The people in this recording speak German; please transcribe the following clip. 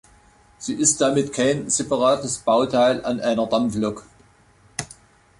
Sie ist damit kein separates Bauteil an einer Dampflok.